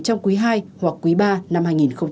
trong quý hai hoặc quý ba năm hai nghìn hai mươi hai